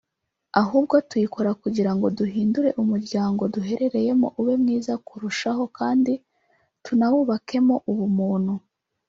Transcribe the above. ahubwo tuyikora kugirango duhindure umuryango duherereyemo ube mwiza kurushaho kandi tunawubakemo ubumuntu »